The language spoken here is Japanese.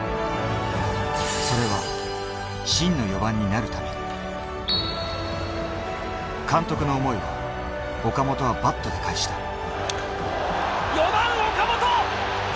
それは真の４番になるために、監督の思いは、岡本はバットで返した。